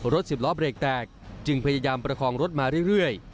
สิบล้อเบรกแตกจึงพยายามประคองรถมาเรื่อย